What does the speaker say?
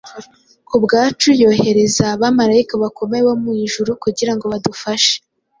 Ku bwacu yohereza abamalayika bakomeye bo mu ijuru kugira ngo badufashe.